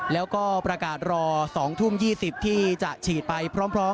แล้วก็ประกาศรอ๒ทุ่ม๒๐ที่จะฉีดไปพร้อม